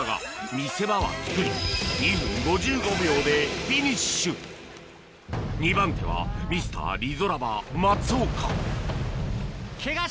見せ場はつくり２分５５秒でフィニッシュ２番手はＭｒ．リゾラバ松岡